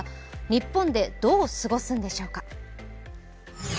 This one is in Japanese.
日本でどう過ごすんでしょうか。